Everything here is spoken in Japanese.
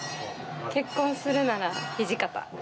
結婚するなら土方。